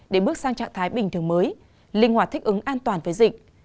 để bước sang trạng thái bình thường mới linh hoạt thích ứng an toàn với dịch